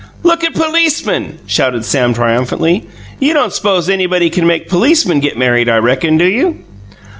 "Look at policemen!" shouted Sam triumphantly. "You don't s'pose anybody can make policemen get married, I reckon, do you?"